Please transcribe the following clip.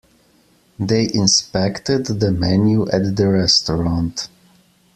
They inspected the menu at the restaurant.